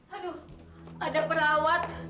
aduh ada perawat